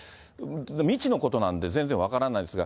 未知のことなんで、全然分からないですが。